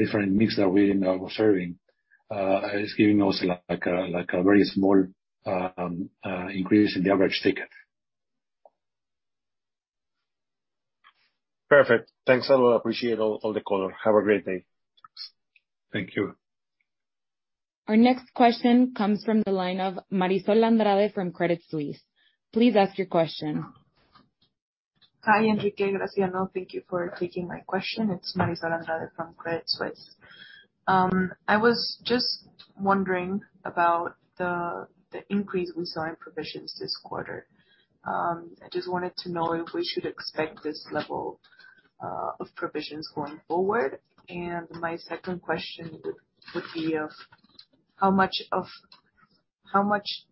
[SPEAKER 2] different mix that we're now serving. It's giving us like a very small increase in the average ticket.
[SPEAKER 10] Perfect. Thanks a lot. I appreciate all the color. Have a great day.
[SPEAKER 2] Thank you.
[SPEAKER 1] Our next question comes from the line of Marisol Andrade from Credit Suisse. Please ask your question.
[SPEAKER 11] Hi, Enrique, Graciano. Thank you for taking my question. It's Marisol Andrade from Credit Suisse. I was just wondering about the increase we saw in provisions this quarter. I just wanted to know if we should expect this level of provisions going forward. My second question would be, how much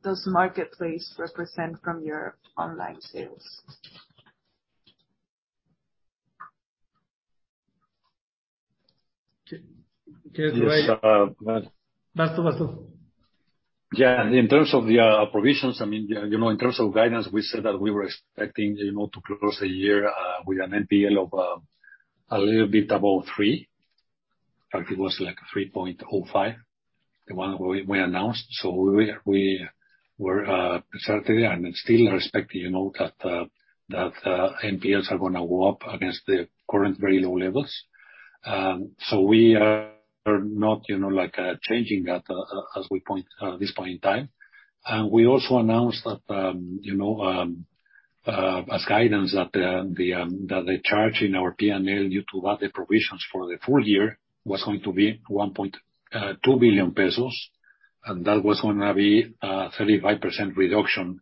[SPEAKER 11] does Marketplace represent from your online sales?
[SPEAKER 2] Yes.
[SPEAKER 4] That's the best.
[SPEAKER 2] Yeah, in terms of the provisions, I mean, yeah, you know, in terms of guidance, we said that we were expecting, you know, to close the year with an NPL of a little bit above 3%. In fact, it was, like, 3.05%, the one we announced. We were certainly and still expecting, you know, that NPLs are gonna go up against the current very low levels. We are not, you know, like, changing that at this point in time. We also announced that, you know, as guidance that the charge in our P&L due to that, the provisions for the full year was going to be 1.2 billion pesos, and that was gonna be 35% reduction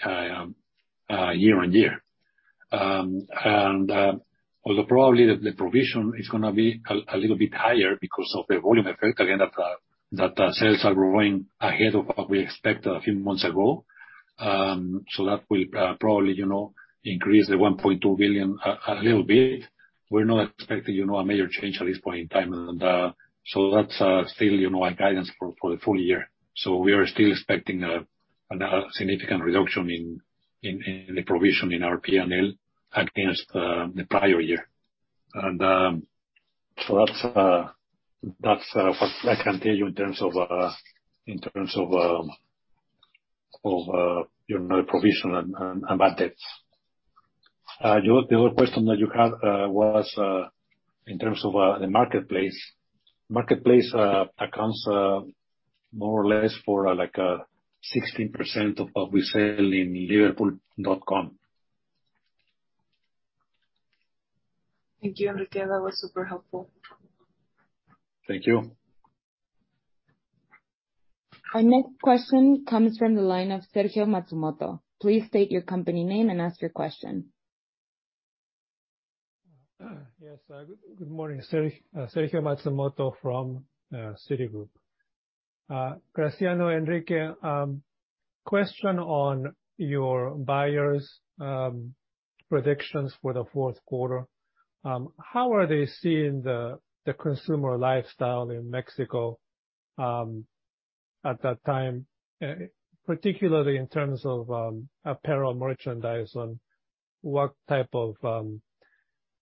[SPEAKER 2] year-on-year. Although probably the provision is gonna be a little bit higher because of the volume effect, again, of that sales are growing ahead of what we expected a few months ago. That will probably, you know, increase the 1.2 billion a little bit. We're not expecting, you know, a major change at this point in time. That's still, you know, our guidance for the full year. We are still expecting another significant reduction in the provision in our P&L against the prior year. That's what I can tell you in terms of you know provision and bad debts. Your other question that you had was in terms of the Marketplace. Marketplace accounts more or less for like 16% of what we sell in liverpool.com.mx.
[SPEAKER 11] Thank you, Enrique. That was super helpful.
[SPEAKER 2] Thank you.
[SPEAKER 1] Our next question comes from the line of Sergio Matsumoto. Please state your company name and ask your question.
[SPEAKER 12] Yes. Good morning. Sergio Matsumoto from Citigroup. Graciano, Enrique, question on your buyers' predictions for the fourth quarter. How are they seeing the consumer lifestyle in Mexico at that time, particularly in terms of apparel merchandise and what type of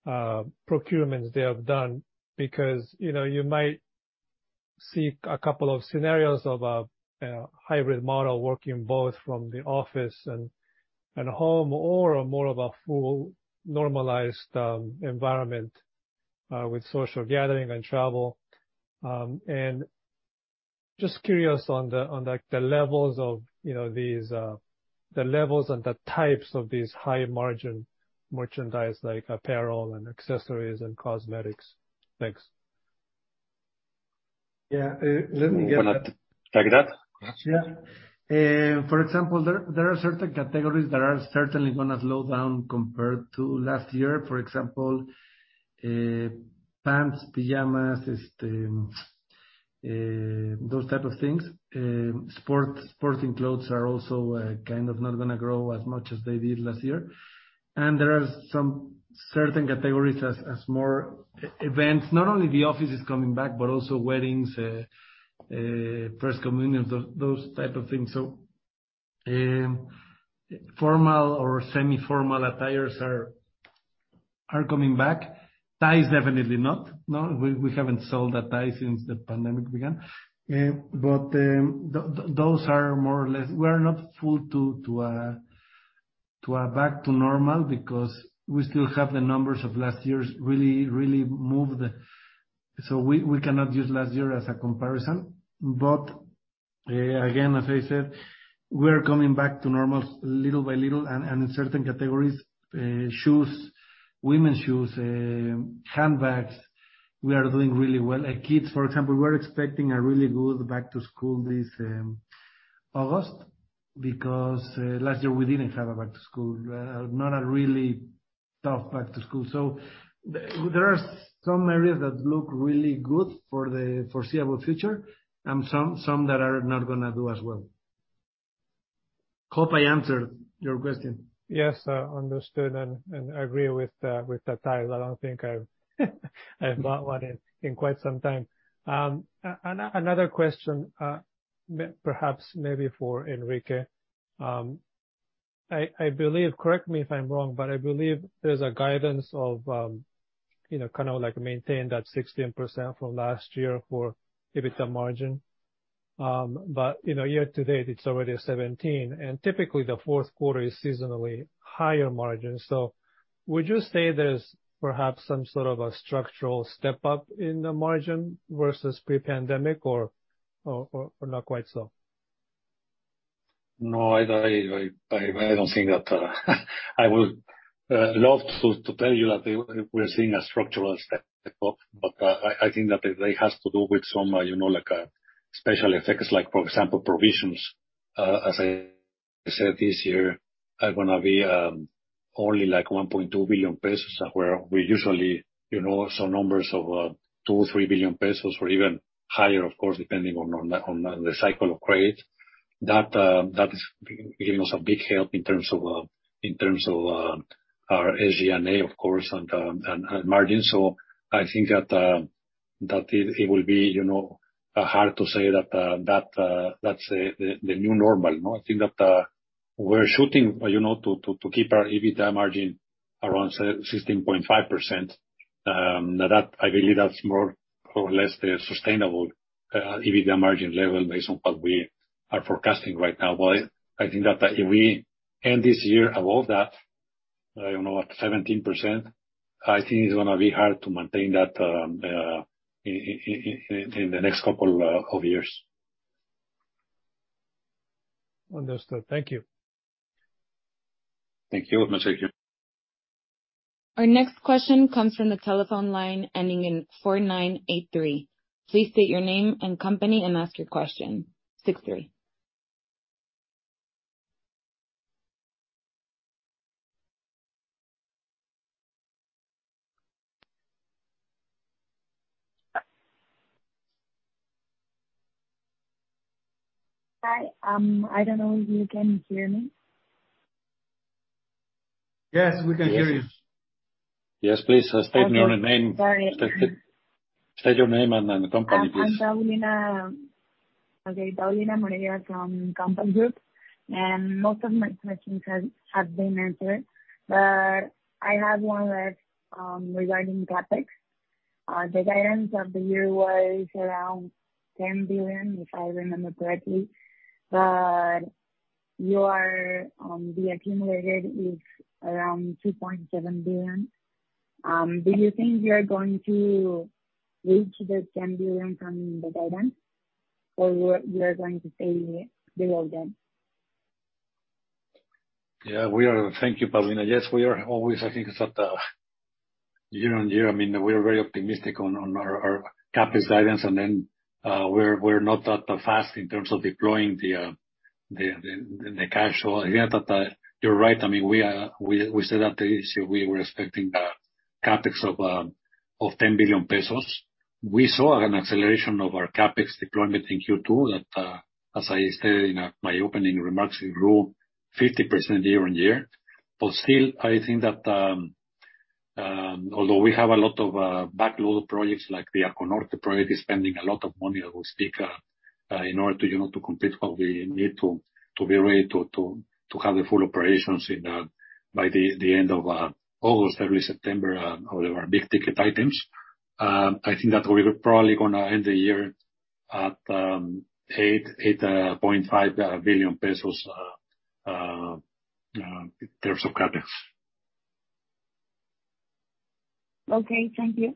[SPEAKER 12] procurements they have done? Because, you know, you might see a couple of scenarios of a hybrid model working both from the office and home or more of a full normalized environment with social gathering and travel. And just curious on, like, the levels of, you know, these the levels and the types of these high margin merchandise like apparel and accessories and cosmetics. Thanks.
[SPEAKER 4] Yeah. Let me get that.
[SPEAKER 2] Wanna take that?
[SPEAKER 4] Yeah. For example, there are certain categories that are certainly gonna slow down compared to last year. For example, pants, pajamas, those type of things. Sporting clothes are also kind of not gonna grow as much as they did last year. There are some certain categories as more events, not only the office is coming back, but also weddings, first communions, those type of things. Formal or semi-formal attires are coming back. Ties, definitely not. No, we haven't sold a tie since the pandemic began. Those are more or less. We are not fully back to normal because we still have the numbers of last year. We cannot use last year as a comparison. Again, as I said, we are coming back to normal little by little and in certain categories, shoes, women's shoes, handbags, we are doing really well. Kids, for example, we're expecting a really good back to school this August because last year we didn't have a back to school, not a really tough back to school. There are some areas that look really good for the foreseeable future, some that are not gonna do as well. Hope I answered your question.
[SPEAKER 12] Yes, understood and agree with the ties. I don't think I've bought one in quite some time. Another question, perhaps maybe for Enrique. I believe, correct me if I'm wrong, but I believe there's a guidance of, you know, kind of like maintain that 16% from last year for EBITDA margin. You know, year to date it's already 17%, and typically the fourth quarter is seasonally higher margin. Would you say there's perhaps some sort of a structural step-up in the margin versus pre-pandemic or not quite so?
[SPEAKER 2] No, I don't think that I would love to tell you that we're seeing a structural step up, but I think that it really has to do with some you know like special effects like for example provisions as I said this year are gonna be only like 1.2 billion pesos, where we usually you know saw numbers of 2 billion or 3 billion pesos or even higher of course depending on the cycle of credit. That is giving us a big help in terms of our SG&A of course and margin. I think that it will be you know hard to say that that's the new normal. No, I think that we're shooting, you know, to keep our EBITDA margin around 16.5%, now that I believe that's more or less the sustainable EBITDA margin level based on what we are forecasting right now. I think that if we end this year above that, I don't know, at 17%, I think it's gonna be hard to maintain that in the next couple of years.
[SPEAKER 12] Understood. Thank you.
[SPEAKER 2] Thank you.
[SPEAKER 4] You're welcome.
[SPEAKER 1] Our next question comes from the telephone line ending in 4983. Please state your name and company and ask your question. 63.
[SPEAKER 13] Hi. I don't know if you can hear me.
[SPEAKER 2] Yes, we can hear you.
[SPEAKER 4] Yes.
[SPEAKER 2] Yes, please, state your name.
[SPEAKER 13] Okay. Sorry.
[SPEAKER 2] State your name and the company, please.
[SPEAKER 13] Paulina Moreira from Compass Group, and most of my questions have been answered. I have one left, regarding CapEx. The guidance of the year was around 10 billion, if I remember correctly. Your accumulated is around 2.7 billion. Do you think you're going to reach the 10 billion from the guidance or you're going to stay below that?
[SPEAKER 2] Thank you, Paulina. Yes, we are always. I think that year-on-year, I mean, we are very optimistic on our CapEx guidance and then we're not that fast in terms of deploying the cash. So I think that you're right. I mean, we are. We set out the issue. We were expecting a CapEx of 10 billion pesos. We saw an acceleration of our CapEx deployment in Q2 that as I stated in my opening remarks, it grew 50% year-on-year. Still, I think that although we have a lot of backlog projects like the Arco Norte project is spending a lot of money that will stack up in order to, you know, to complete what we need to to be ready to have the full operations in by the end of August, early September, all of our big ticket items. I think that we're probably gonna end the year at 8.5 billion pesos in terms of CapEx.
[SPEAKER 13] Okay, thank you.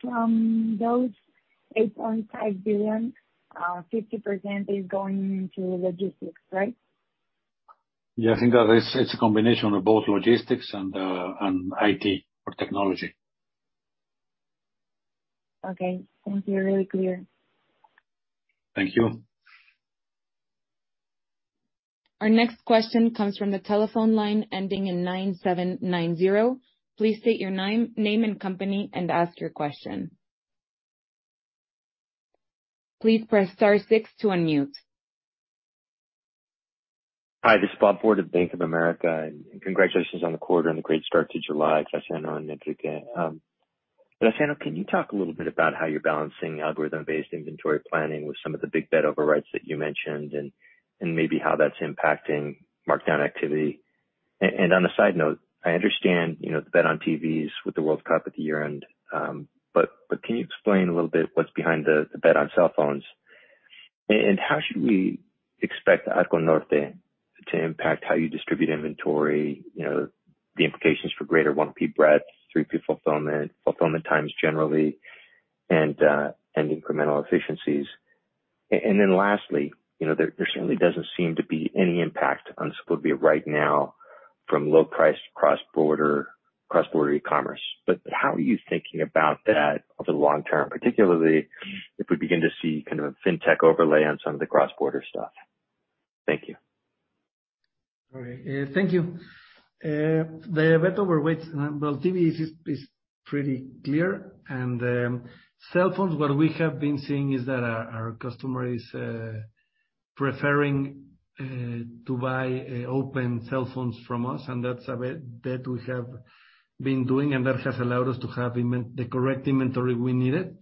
[SPEAKER 13] From those 8.5 billion, 50% is going into logistics, right?
[SPEAKER 2] Yeah. I think that it's a combination of both logistics and IT or technology.
[SPEAKER 13] Okay. Thank you. Really clear.
[SPEAKER 2] Thank you.
[SPEAKER 1] Our next question comes from the telephone line ending in 9790. Please state your name and company and ask your question. Please press star six to unmute.
[SPEAKER 14] Hi, this is Robert Ford at Bank of America. Congratulations on the quarter and the great start to July, Luciano and Enrique. Luciano, can you talk a little bit about how you're balancing algorithm-based inventory planning with some of the big bet overrides that you mentioned and maybe how that's impacting markdown activity? And on a side note, I understand, you know, the bet on TVs with the World Cup at the year-end, but can you explain a little bit what's behind the bet on cell phones? And how should we expect Arco Norte to impact how you distribute inventory, you know, the implications for greater 1P breadth, 3P fulfillment times generally and incremental efficiencies. And then lastly, you know, there certainly doesn't seem to be any impact on Suburbia right now from low price cross-border e-commerce. How are you thinking about that over the long term, particularly if we begin to see kind of a fintech overlay on some of the cross-border stuff? Thank you.
[SPEAKER 4] All right. Thank you. The bet overweights, well, TV is pretty clear. Cell phones, what we have been seeing is that our customer is preferring to buy open cell phones from us, and that's a bet that we have been doing, and that has allowed us to have the correct inventory we needed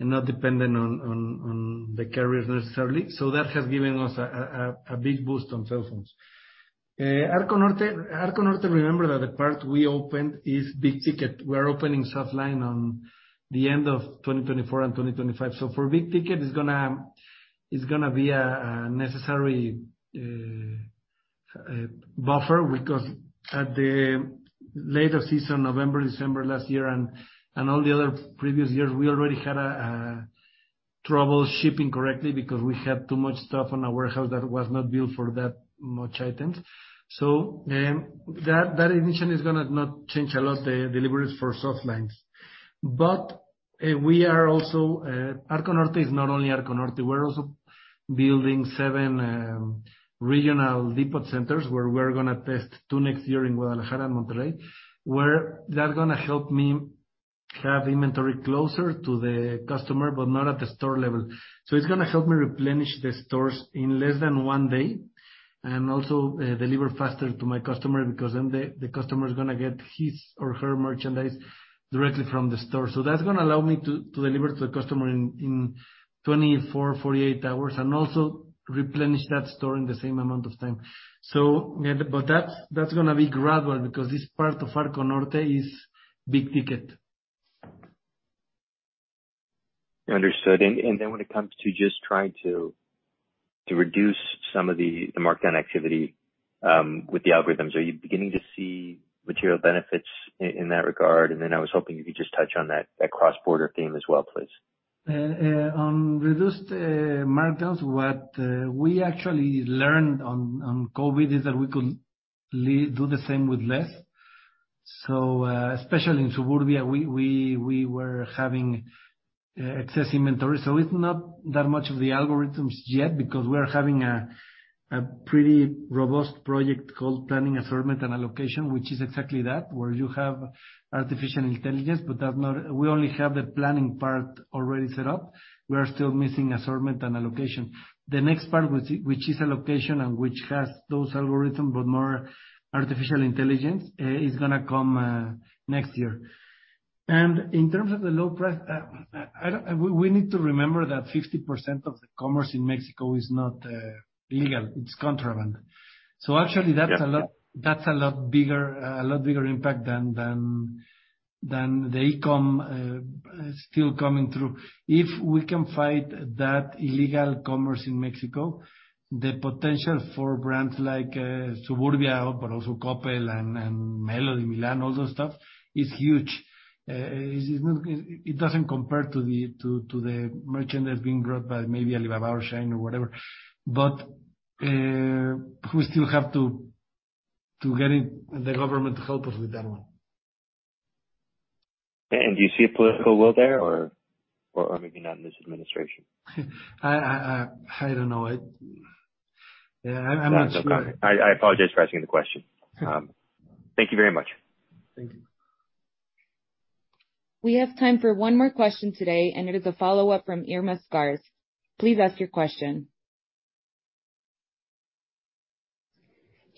[SPEAKER 4] and not dependent on the carriers necessarily. That has given us a big boost on cell phones. Arco Norte, remember that the part we opened is big ticket. We're opening soft line on the end of 2024 and 2025. For big ticket, it's gonna be a necessary buffer because in the latter season, November, December last year and all the other previous years, we already had trouble shipping correctly because we had too much stuff in our warehouse that was not built for that much items. That initially is gonna not change a lot the deliveries for soft lines. We are also Arco Norte is not only Arco Norte, we're also building seven regional depot centers, where we're gonna test two next year in Guadalajara and Monterrey, where that's gonna help me have inventory closer to the customer, but not at the store level. It's gonna help me replenish the stores in less than one day and also deliver faster to my customer because then the customer is gonna get his or her merchandise directly from the store. That's gonna allow me to deliver to the customer in 24-48 hours, and also replenish that store in the same amount of time. That's gonna be gradual because this part of Arco Norte is big ticket.
[SPEAKER 14] Understood. When it comes to just trying to reduce some of the markdown activity with the algorithms, are you beginning to see material benefits in that regard? I was hoping you could just touch on that cross-border theme as well, please.
[SPEAKER 4] On reduced markdowns, what we actually learned on COVID is that we could do the same with less. Especially in Suburbia, we were having excess inventory, so it's not that much of the algorithms yet because we are having a pretty robust project called Planning, Assortment and Allocation, which is exactly that, where you have artificial intelligence, but that's not. We only have the planning part already set up. We are still missing assortment and allocation. The next part, which is allocation and which has those algorithms, but more artificial intelligence, is gonna come next year. We need to remember that 50% of the commerce in Mexico is not legal, it's contraband.
[SPEAKER 14] Yeah.
[SPEAKER 4] That's a lot bigger impact than the e-com still coming through. If we can fight that illegal commerce in Mexico, the potential for brands like Suburbia, but also Coppel and Liverpool, Milano, all those stuff, is huge. It doesn't compare to the merchandise being brought by maybe Alibaba or Shein or whatever. We still have to get the government to help us with that one.
[SPEAKER 14] Do you see a political will there or maybe not in this administration?
[SPEAKER 4] I don't know. Yeah, I'm not sure.
[SPEAKER 14] I apologize for asking the question. Thank you very much.
[SPEAKER 4] Thank you.
[SPEAKER 1] We have time for one more question today, and it is a follow-up from Irma Sgarz. Please ask your question.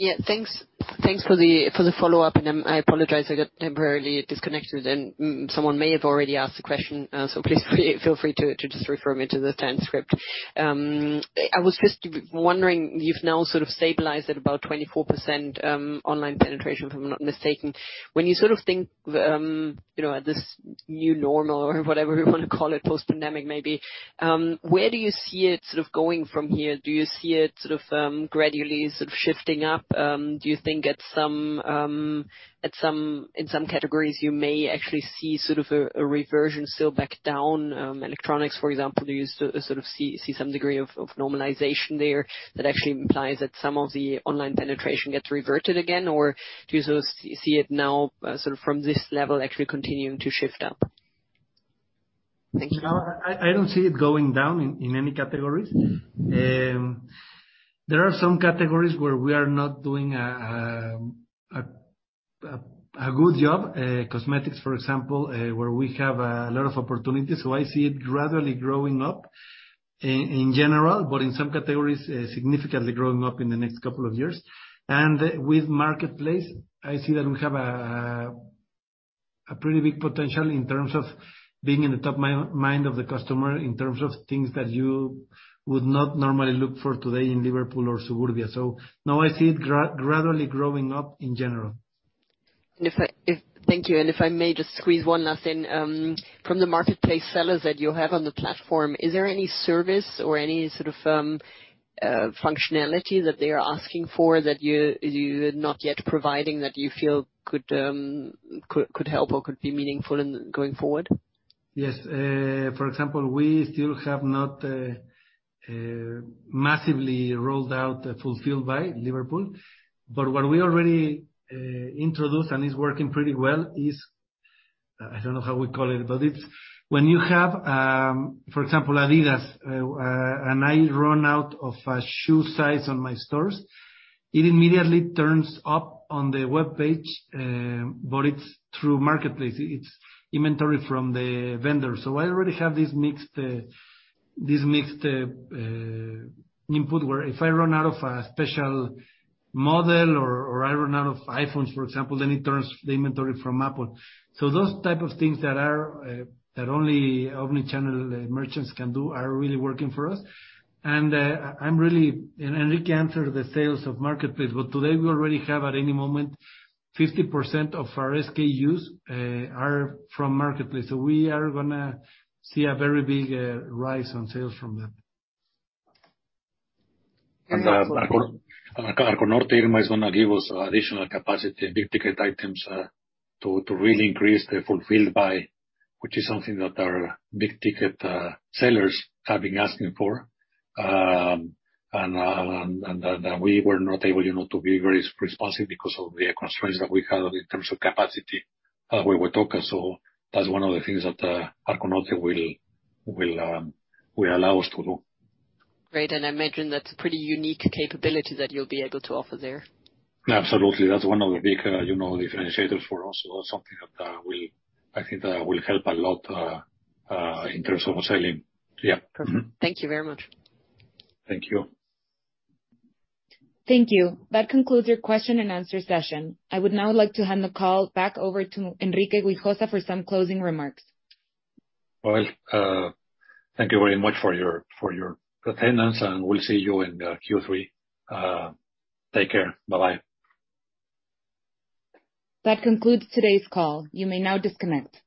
[SPEAKER 3] Yeah, thanks. Thanks for the follow-up, and I apologize, I got temporarily disconnected, and someone may have already asked the question. Please feel free to just refer me to the transcript. I was just wondering, you've now sort of stabilized at about 24% online penetration, if I'm not mistaken. When you sort of think, you know, this new normal or whatever you wanna call it, post-pandemic maybe, where do you see it sort of going from here? Do you see it sort of gradually sort of shifting up? Do you think at some, in some categories you may actually see sort of a reversion still back down, electronics, for example? Do you sort of see some degree of normalization there that actually implies that some of the online penetration gets reverted again? Or do you sort of see it now, sort of from this level actually continuing to shift up? Thank you.
[SPEAKER 4] No, I don't see it going down in any categories. There are some categories where we are not doing a good job, cosmetics for example, where we have a lot of opportunities. I see it gradually growing up in general, but in some categories, significantly growing up in the next couple of years. With Marketplace, I see that we have a pretty big potential in terms of being in the top mind of the customer in terms of things that you would not normally look for today in Liverpool or Suburbia. Now I see it gradually growing up in general.
[SPEAKER 3] Thank you. If I may just squeeze one last in. From the Marketplace sellers that you have on the platform, is there any service or any sort of functionality that they are asking for that you are not yet providing that you feel could help or could be meaningful in going forward?
[SPEAKER 4] Yes. For example, we still have not massively rolled out Fulfilled by Liverpool. What we already introduced and is working pretty well is, I don't know how we call it, but it's when you have, for example, adidas, and I run out of a shoe size on my stores, it immediately turns up on the webpage, but it's through Marketplace, it's inventory from the vendor. I already have this mixed input, where if I run out of a special model or I run out of iPhone, for example, then it turns the inventory from Apple. Those type of things that only omni-channel merchants can do are really working for us. I'm really. Enrique answered the sales of Marketplace, but today we already have, at any moment, 50% of our SKUs are from Marketplace. We are gonna see a very big rise in sales from that.
[SPEAKER 2] Arco Norte is gonna give us additional capacity, big ticket items, to really increase the Fulfilled by Liverpool, which is something that our big ticket sellers have been asking for. That we were not able, you know, to be very responsive because of the constraints that we had in terms of capacity, where we're talking. That's one of the things that Arco Norte will allow us to do.
[SPEAKER 3] Great. I imagine that's a pretty unique capability that you'll be able to offer there.
[SPEAKER 2] Absolutely. That's one of the big, you know, differentiators for us. So that's something that will, I think that will help a lot in terms of selling. Yeah.
[SPEAKER 3] Thank you very much.
[SPEAKER 2] Thank you.
[SPEAKER 1] Thank you. That concludes your question and answer session. I would now like to hand the call back over to Enrique Güijosa for some closing remarks.
[SPEAKER 2] Well, thank you very much for your attendance, and we'll see you in Q3. Take care. Bye-bye.
[SPEAKER 1] That concludes today's call. You may now disconnect.